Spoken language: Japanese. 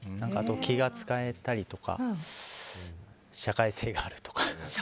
気が使えたりとか社会性があるとか。